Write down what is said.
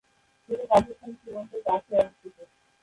এটা পাকিস্তান সীমান্তের পাশে অবস্থিত।